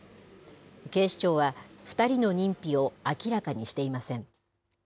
警視庁は２人の認否を明らかにしていません。